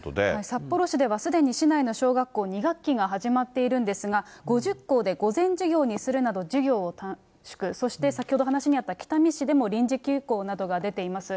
札幌市では、すでに市内の小学校、２学期が始まっているんですが、５０校で午前授業にするなど、授業を短縮、そして先ほど話にあった北見市でも臨時休校などが出ています。